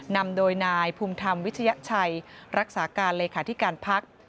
นำโดยนายภูมิธรรมวิทยาชัยรักษาการเลขาธิการพัก